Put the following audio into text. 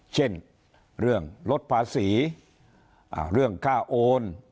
เช่นเรื่องลดภาษีเรื่องค่าโอน